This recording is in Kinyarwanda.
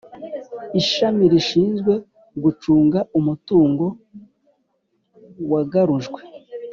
Ishami rishinzwe gucunga umutungo wagarujwe